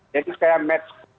jadi saya berpikir ya